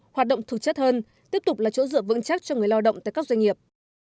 hoạt động thực chất hơn tiếp tục là chỗ dựa vững chắc cho người lao động tại các doanh nghiệp